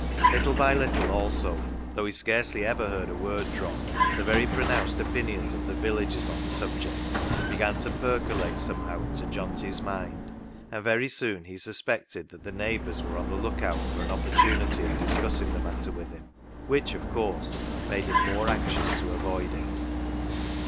Little by little also, though he scarcely ever heard a word drop, the very pronounced opinions of Ihe villagers on the subject began to percolate somehow into Johnty's mind, and very soon he suspected that the neighbours were on the lookout for an opportunity of dis cussing the matter with him, which, of course, made him more anxious to avoid it.